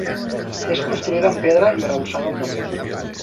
És construïda en pedra i arrebossada al damunt.